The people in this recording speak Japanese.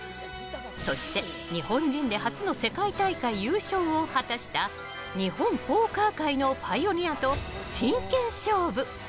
そして日本人で初の世界大会優勝を果たした日本ポーカー界のパイオニアと真剣勝負。